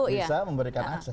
menteri bisa memberikan akses